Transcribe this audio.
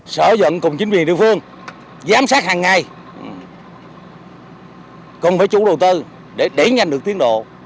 sở dận cùng chính quyền địa phương giám sát hàng ngày cùng với chủ đầu tư để đẩy nhanh được tiến độ